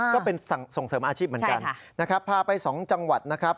ก็เป็นส่งเสริมอาชีพเหมือนกันนะครับพาไป๒จังหวัดนะครับ